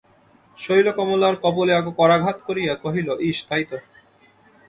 শৈল কমলার কপোলে করাঘাত করিয়া কহিল, ইস, তাই তো!